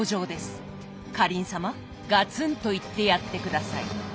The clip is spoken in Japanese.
かりん様ガツンと言ってやって下さい。